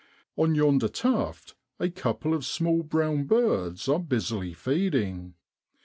On yonder tuft a couple of small brown birds are busily feeding.